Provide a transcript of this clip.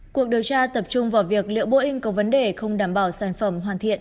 cuộc điều tra tập trung vào việc liệu boeing có vấn đề không đảm bảo sản phẩm hoàn thiện